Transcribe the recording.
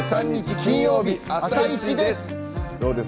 金曜日「あさイチ」です。